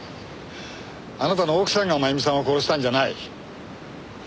あなたの奥さんが真由美さんを殺したんじゃない。